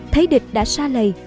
thấy địch đã xa lầy